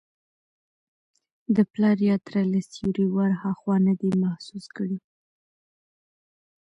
د پلار یا تره له سیوري وراخوا نه دی محسوس کړی.